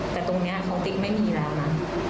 แต่ตรงนี้เขาติ๊กไม่มีแล้วนะ